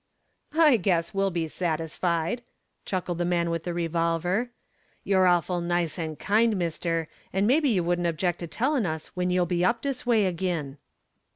"I guess we'll be satisfied," chuckled the man with the revolver. "You're awful nice and kind, mister, and maybe you wouldn't object to tellin' us when you'll be up dis way ag'in."